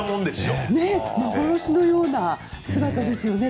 幻のような姿ですよね。